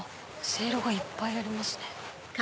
せいろがいっぱいありますね。